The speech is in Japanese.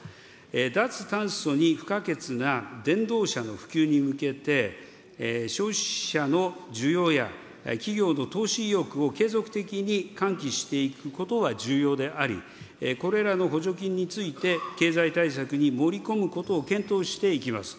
脱炭素に不可欠な電動車の普及に向けて、消費者の需要や企業の投資意欲を継続的に喚起していくことが重要であり、これらの補助金について、経済対策に盛り込むことを検討していきます。